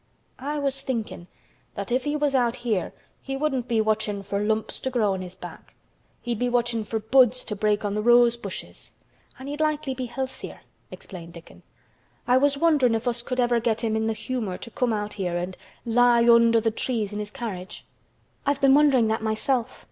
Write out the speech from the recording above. "I was thinkin' that if he was out here he wouldn't be watchin' for lumps to grow on his back; he'd be watchin' for buds to break on th' rose bushes, an' he'd likely be healthier," explained Dickon. "I was wonderin' if us could ever get him in th' humor to come out here an' lie under th' trees in his carriage." "I've been wondering that myself.